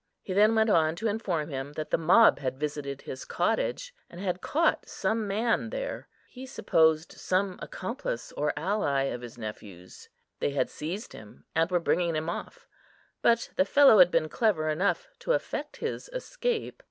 He then went on to inform him that the mob had visited his cottage, and had caught some man there; he supposed some accomplice or ally of his nephew's. They had seized him, and were bringing him off, but the fellow had been clever enough to effect his escape.